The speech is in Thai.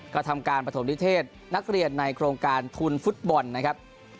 ก็ทำการประถมนิเทศนักเรียนในโครงการทุนฟุตบอลนะครับ